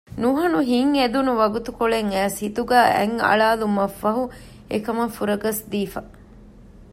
ނުހަނު ހިތް އެދުނު ވަގުތުކޮޅެއް އައިސް ހިތުގައި އަތް އަޅާލުމަށްފަހު އެކަމަށް ފުރަގަސްދީފަ